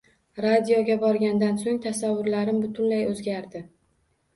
Radioga borgandan so‘ng tasavvurlarim butunlay o‘zgardi.